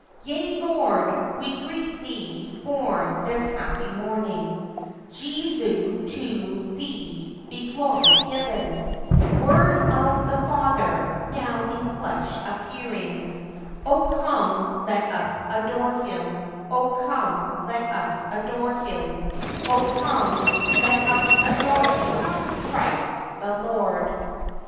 "Yea, Lord, we greet Thee, born this happy morning; Jesu, to Thee be glory given; Word of the Father, now in flesh appearing; Oh come, let us adore Him, Oh come, let us adore Him, Oh come, let us adore Him, Christ the Lord."